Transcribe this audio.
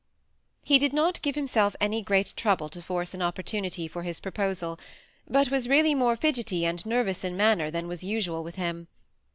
He did not give himself any great trouble to force an opportunity for his proposal, but was really more fidgety and nervous in manner than was usual with him.